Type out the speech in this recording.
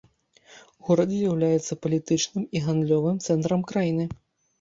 Горад з'яўляецца палітычным і гандлёвым цэнтрам краіны.